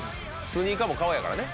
スニーカーも顔やからね。